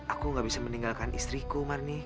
aku gak bisa meninggalkan istriku marni